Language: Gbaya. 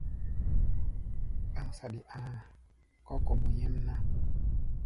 Ɗáŋ saɗi a̧a̧ kɔ̧́ kombo nyɛ́mná.